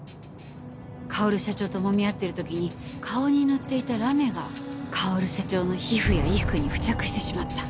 薫社長ともみ合ってる時に顔に塗っていたラメが薫社長の皮膚や衣服に付着してしまった。